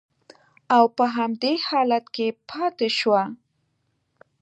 او په همدې حالت کې پاتې شوه